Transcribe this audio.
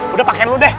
udah pakein lu deh